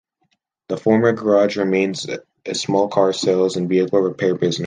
The former garage remains as a small car sales and vehicle repair business.